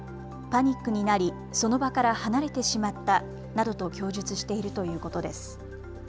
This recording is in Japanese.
パニックになりその場から離れてしまったなどと供述しているということです。